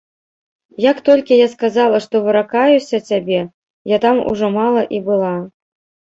Як толькі я сказала, што выракаюся цябе, я там ужо мала і была.